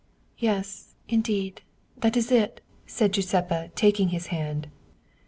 " Yes, indeed, that is it! " said Giuseppa, taking his hand.